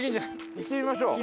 行ってみましょう。